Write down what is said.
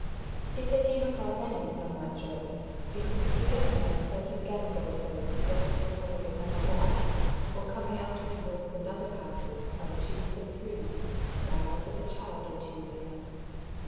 If they came across any somewhat joyous, it was here and there certain gangrel folk resting on the wayside grass, or coming out of woods and other passes by twos and threes, whiles with a child or two with them.